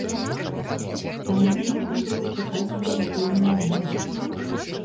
Таму можна было чакаць грунтоўны аналіз.